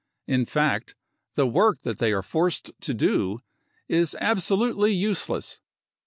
In fact, the work that they are forced to do is absolutely useless.